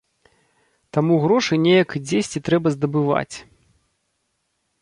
Таму грошы неяк і дзесьці трэба здабываць.